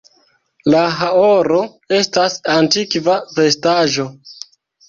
La haoro estas antikva vestaĵo.